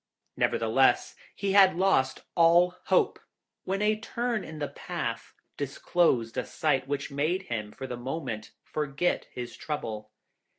Nevertheless, he had lost all hope, when a turn in the path disclosed a sight which made him for the moment forget his trouble.